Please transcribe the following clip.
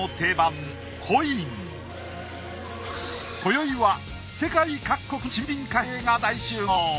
こよいは世界各国の珍品貨幣が大集合！